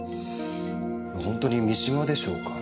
本当に三島でしょうか？